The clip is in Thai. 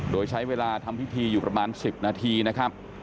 โดยใช้เวลาทำพิธีอยู่ประมาณ๑๐นาทีนะครับ